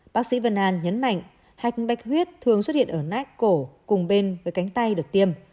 bác sĩ vân anh nhấn mạnh hạch bách huyết thường xuất hiện ở nát cổ cùng bên với cánh tay được tiêm